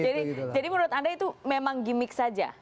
jadi menurut anda itu memang gimik saja